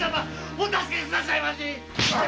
お助けくださいまし！